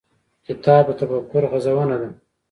کتاب د تفکر غزونه ده.